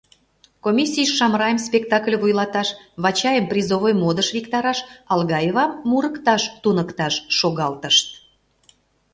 Комиссийыш Шамрайым спектакль вуйлаташ, Вачайым призовый модыш виктараш, Алгаевам мурыкташ туныкташ шогалтышт.